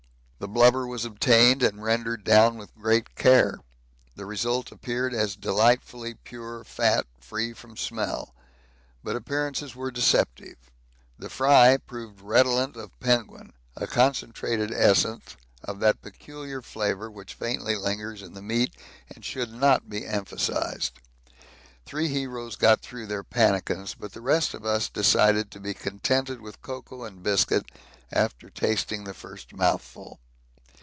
The blubber was obtained and rendered down with great care, the result appeared as delightfully pure fat free from smell; but appearances were deceptive; the 'fry' proved redolent of penguin, a concentrated essence of that peculiar flavour which faintly lingers in the meat and should not be emphasised. Three heroes got through their pannikins, but the rest of us decided to be contented with cocoa and biscuit after tasting the first mouthful.